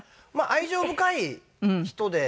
愛情深い人で。